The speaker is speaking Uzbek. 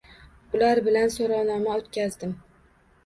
Ular bilan so‘rovnoma o‘tkazdim.